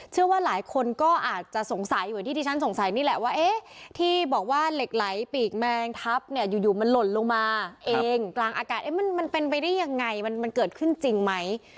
เชื่อว่าหลายคนก็อาจจะสงสัยเหมือนที่ที่ฉันสงสัยนี่แหละว่าเอ๊ะที่บอกว่าเหล็กไหลปีกแมงทับเนี่ยอยู่มันหล่นลงมาเองกลางอากาศมันเป็นไปได้ยังไงมันเกิดขึ้นจริงไหม